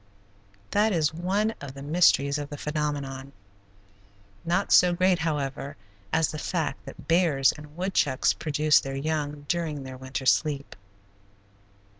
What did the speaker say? That is one of the mysteries of the phenomenon, not so great, however, as the fact that bears and woodchucks produce their young during their winter sleep.